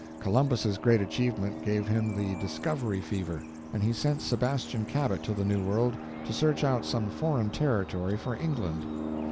Columbus's great achievement gave him the discovery fever, and he sent Sebastian Cabot to the New World to search out some foreign territory for England.